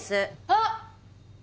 あっ。